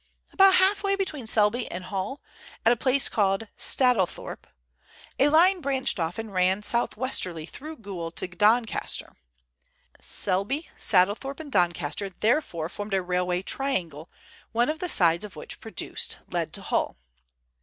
About half way between Selby and Hull, at a place called Staddlethorpe, a line branched off and ran south westerly through Goole to Doncaster. Selby, Staddlethorpe, and Doncaster therefore formed a railway triangle, one of the sides of which, produced, led to Hull.